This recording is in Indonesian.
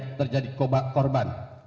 yang terjadi korban